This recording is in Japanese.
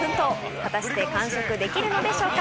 果たして完食できるのでしょうか。